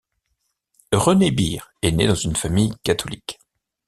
René Birr est né dans une famille catholique.